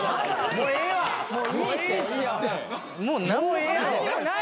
もうええやろ。